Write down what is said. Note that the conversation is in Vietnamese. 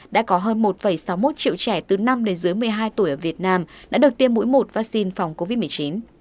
đã có hơn một sáu mươi một triệu trẻ từ năm đến dưới một mươi hai tuổi ở việt nam đã được tiêm mũi một vaccine phòng covid một mươi chín